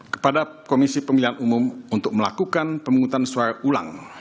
kepada komisi pemilihan umum untuk melakukan pemungutan suara ulang